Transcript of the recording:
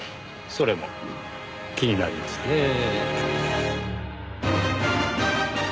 それも気になりますねぇ。